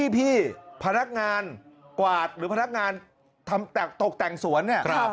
พี่พนักงานกวาดหรือพนักงานทำตกแต่งสวนเนี่ย